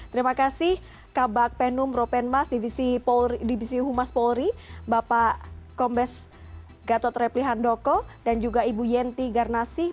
terima kasih kabak penum ropenmas divisi humas polri bapak kombes gatot repli handoko dan juga ibu yenti garnasih